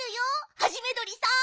ハジメどりさん。